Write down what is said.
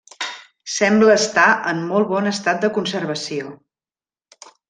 Sembla estar en molt bon estat de conservació.